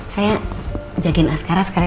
saya jagain askaras kalian